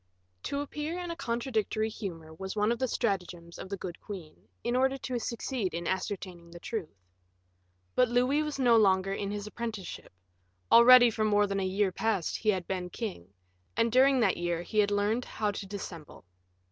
To appear in a contradictory humor was one of the stratagems of the good queen, in order to succeed in ascertaining the truth. But Louis was no longer in his apprenticeship; already for more than a year past he had been king, and during that year he had learned how to dissemble.